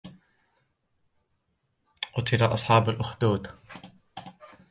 قتل أصحاب الأخدود